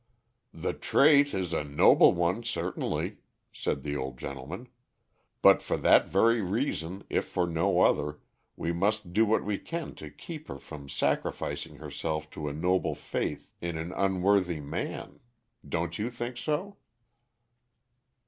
"The trait is a noble one, certainly," said the old gentleman; "but for that very reason, if for no other, we must do what we can to keep her from sacrificing herself to a noble faith in an unworthy man. Don't you think so?"